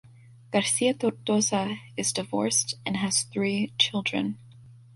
García Tortosa is divorced and has three children.